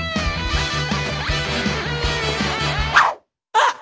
あっ。